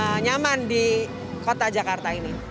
bersepeda dengan nyaman di kota jakarta ini